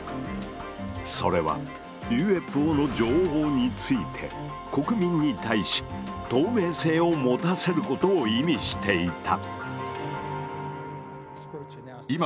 それはＵＦＯの情報について国民に対し透明性を持たせることを意味していた。